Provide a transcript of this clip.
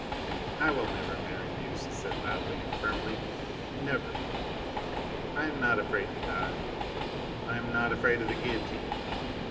"I will never marry you," she said loudly and firmly. "Never! I am not afraid to die. I am not afraid of the guillotine.